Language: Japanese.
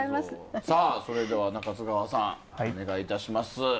それでは中津川さんお願いいたします。